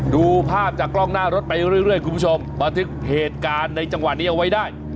ดูภาพจากกล้องหน้ารถไปเรื่อยคุณผู้ชมบันทึกเหตุการณ์ในจังหวะนี้เอาไว้ได้